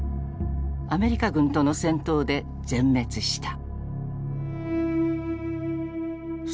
アメリカ軍との戦闘で全滅した。